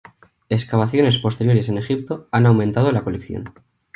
Excavaciones posteriores en Egipto han aumentado la colección.